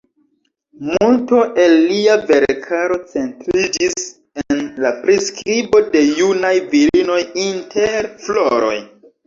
Multo el lia verkaro centriĝis en la priskribo de junaj virinoj inter floroj.